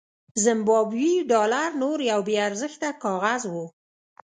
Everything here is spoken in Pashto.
زیمبابويي ډالر نور یو بې ارزښته کاغذ و.